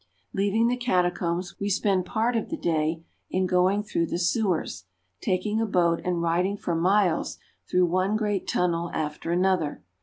Leaving the catacombs, we spend part of the day in go ing through the sewers, taking a boat and riding for miles through one great tunnel after another.